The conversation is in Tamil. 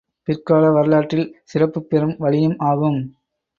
பிற்கால வரலாற்றில் சிறப்புப் பெறும் வழியும் ஆகும்.